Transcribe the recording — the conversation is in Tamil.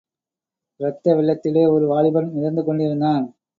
இரத்த வெள்ளத்திலே ஒரு வாலிபன் மிதந்து கொண்டிருக்கிறான்.